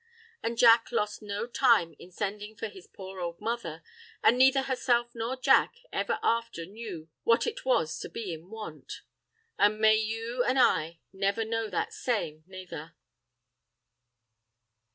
An' Jack lost no time in sendin' for his poor ould mother, an' neither herself nor Jack ever after knew what it was to be in want. An' may you an' I never know that same naither.